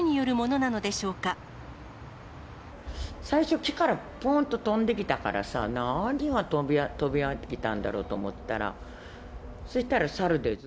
最初、木からぽんと跳んできたからさ、何が跳び上がってきたんだろうと思ったら、そしたらサルで。